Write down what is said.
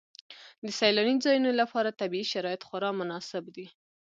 د سیلاني ځایونو لپاره طبیعي شرایط خورا مناسب دي.